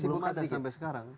semua itu belum ada sampai sekarang